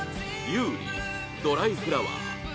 優里「ドライフラワー」